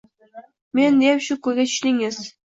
Meni deb shu ko‘yga tushdingiz!